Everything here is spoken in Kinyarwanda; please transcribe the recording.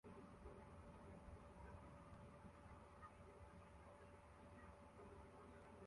Urubyiruko rwinshi ruteranira imbere yameza ya picnic ninyubako yera